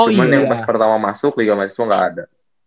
cuma yang pertama masuk liga mahasiswa gak ada